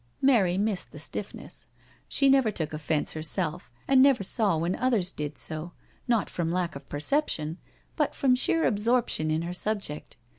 Mary missed the stiffness. She never took offence herself, and never saw wfien others did so, not from lack of perception, but from sheer absorption in her subject.